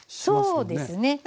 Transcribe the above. そうですね。